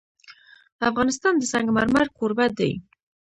افغانستان د سنگ مرمر کوربه دی.